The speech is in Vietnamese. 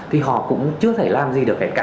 thì họ cũng chưa thể làm gì được hết cả